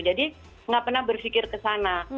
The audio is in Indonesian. jadi nggak pernah berpikir ke sana